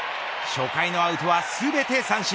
初回のアウトは全て三振。